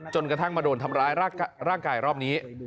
กระทั่งมาโดนทำร้ายร่างกายรอบนี้